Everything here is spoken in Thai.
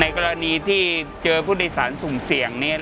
กรณีที่เจอผู้โดยสารสุ่มเสี่ยง